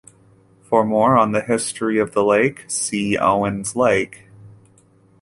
For more on the history of the lake, see Owens Lake.